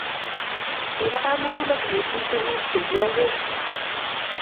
Kibara mugulel missing tuguuk chekioker.